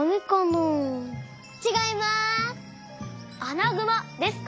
アナグマですか？